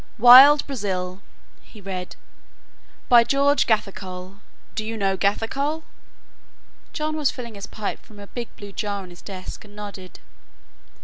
"'Wild Brazil'," he read, "by George Gathercole do you know Gathercole?" John was filling his pipe from a big blue jar on his desk and nodded.